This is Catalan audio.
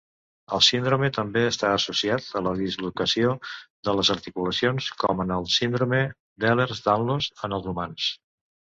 El síndrome també està associat a la dislocació de les articulacions, com en el síndrome Ehlers-Danlos en els humans.